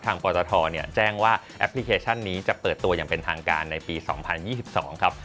ปตทแจ้งว่าแอปพลิเคชันนี้จะเปิดตัวอย่างเป็นทางการในปี๒๐๒๒ครับ